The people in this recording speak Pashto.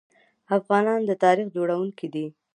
افغانان د تاریخ جوړونکي دي.